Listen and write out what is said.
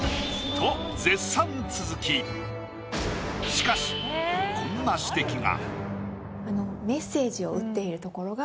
しかしこんな指摘が。